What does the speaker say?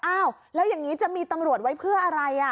อ้าวแล้วอย่างนี้จะมีตำรวจไว้เพื่ออะไร